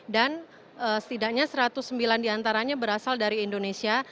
setidaknya satu ratus sembilan diantaranya berasal dari indonesia